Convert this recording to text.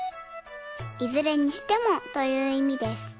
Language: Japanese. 「いずれにしても」といういみです。